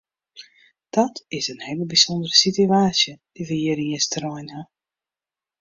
Dat is in hele bysûndere situaasje dy't we hjir yn Easterein ha.